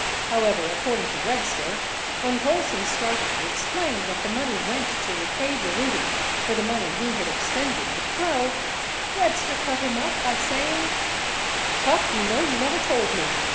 However, according to Webster, when Colson started to explain that the money went to repay Baroody for the money he had extended to Krogh, Webster cut him off by saying : Chuck, you know you never told me.